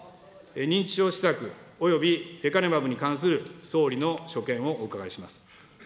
認知症施策およびレカネマブに関する総理の所見をお伺いします。